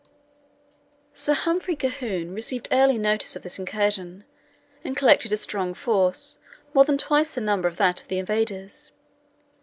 Sir Humphrey Colquhoun received early notice of this incursion, and collected a strong force, more than twice the number of that of the invaders.